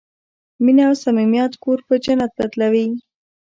مینه او صمیمیت کور په جنت بدلوي.